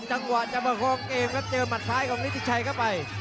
จังหวะจะประคองเกมครับเจอหมัดซ้ายของฤทธิชัยเข้าไป